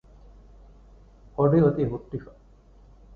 އޮޑި އޮތީ ހުއްޓިފަ